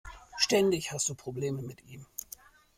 Ständig hast du Probleme mit ihm.